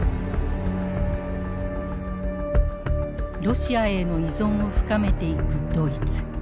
ロシアへの依存を深めていくドイツ。